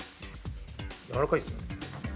柔らかいですよね。